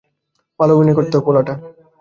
ভালো অভিনয় করত পোলাটা।